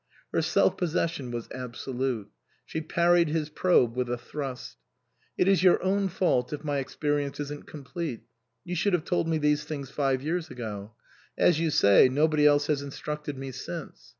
Her self possession was absolute. She parried his probe with a thrust. " It is your own fault if my experience isn't complete. You should have told me these things five years ago. As you say, nobody else has instructed me since."